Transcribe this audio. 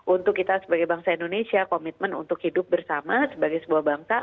untuk kita sebagai bangsa indonesia komitmen untuk hidup bersama sebagai sebuah bangsa